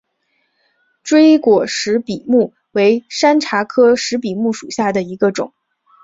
锥果石笔木为山茶科石笔木属下的一个种。